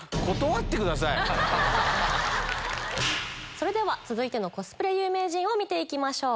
それでは続いてのコスプレ有名人見ていきましょう！